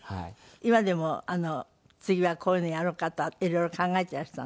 今でも次はこういうのやろうかとか色々考えていらしたの？